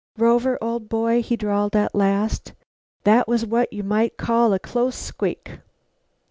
"Rover, old boy," he drawled at last, "that was what you might call a close squeak."